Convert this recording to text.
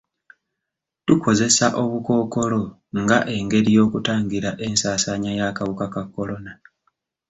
Tukozesa obukookolo nga engeri y'okutangira ensaasaanya y'akawuka ka kolona.